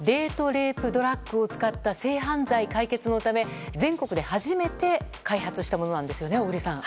レイプドラッグを使った性被害解決のため、全国で初めて開発したものなんですよね小栗さん。